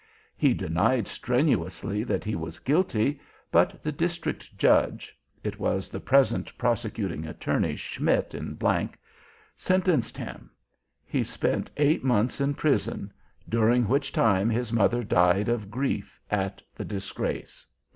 He denied strenuously that he was guilty, but the District Judge (it was the present Prosecuting Attorney Schmidt in G ) sentenced him. He spent eight months in prison, during which time his mother died of grief at the disgrace.